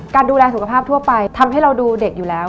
ดูแลสุขภาพทั่วไปทำให้เราดูเด็กอยู่แล้ว